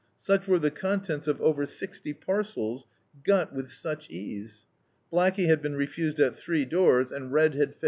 Such were the ccmtents of over sixty parcels, got with such ease. Blackey had been refused at three doors; and Red [no] D,i.